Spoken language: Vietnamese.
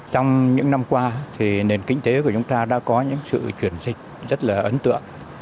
trong những năm qua thì nền kinh tế của chúng ta đã có những sự chuyển dịch rất là ấn tượng